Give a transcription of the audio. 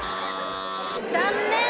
残念！